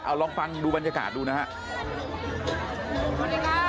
เอาลองฟังดูบรรยากาศดูนะครับ